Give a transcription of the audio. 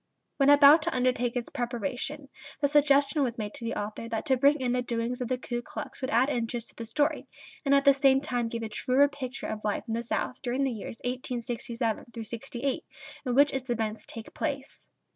When about to undertake its preparation the suggestion was made to the author that to bring in the doings of the Ku Klux would add interest to the story, and at the same time give a truer picture of life in the South during the years 1867 68 in which its events take place.